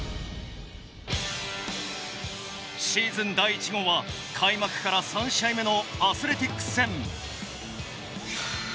シーズン第１号は開幕から３試合目のアスレティックス戦。